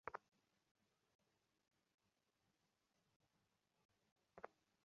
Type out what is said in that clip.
বাচ্চাদের এমন বিপদে ফেলার জন্য আমি আন্তরিকভাবে ক্ষমাপ্রার্থী।